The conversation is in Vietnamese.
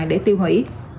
để tiêu hủy